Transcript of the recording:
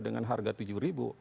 dengan harga tujuh ribu